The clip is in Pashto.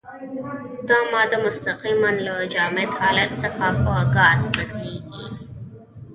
دا ماده مستقیماً له جامد حالت څخه په ګاز بدلیږي.